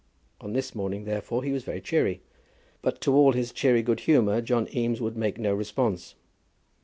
On this morning, therefore, he was very cheery. But to all his cheery good humour John Eames would make no response.